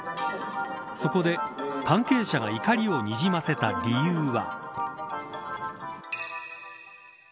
そこで、関係者が怒りをにじませた理由は。